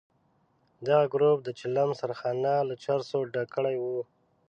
دغه ګروپ د چلم سرخانه له چرسو ډکه کړې وه.